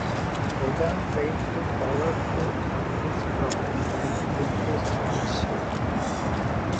Reagan failed to follow through on this promise, and litigation ensued.